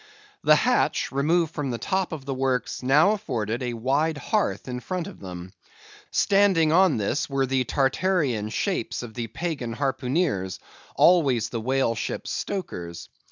The hatch, removed from the top of the works, now afforded a wide hearth in front of them. Standing on this were the Tartarean shapes of the pagan harpooneers, always the whale ship's stokers.